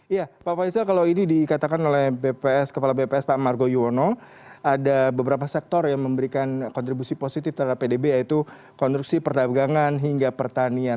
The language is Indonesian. ya pak faisal kalau ini dikatakan oleh bps kepala bps pak margo yuwono ada beberapa sektor yang memberikan kontribusi positif terhadap pdb yaitu konstruksi perdagangan hingga pertanian